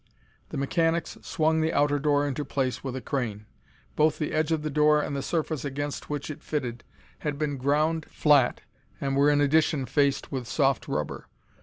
The mechanics swung the outer door into place with a crane. Both the edge of the door and the surface against which it fitted had been ground flat and were in addition faced with soft rubber.